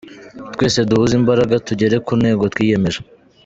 Twese duhuze imbaraga tugere ku ntego twiyemeje.